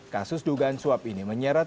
kasus dugaan suap ini menyeret